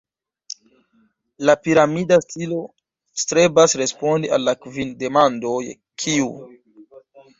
La piramida stilo strebas respondi al la kvin demandoj: Kiu?